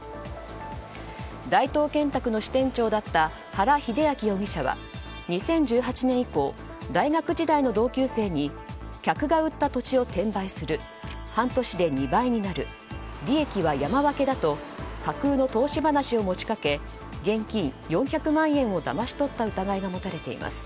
大東建託の支店長だった原秀昭容疑者は２０１８年以降大学時代の同級生に客が売った土地を転売する半年で２倍になる利益は山分けだと架空の投資話を持ち掛け現金４００万円をだまし取った疑いが持たれています。